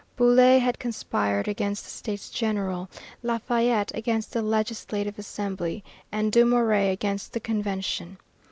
Bouillé had conspired against the States General, Lafayette against the Legislative Assembly, and Dumouriez against the Convention.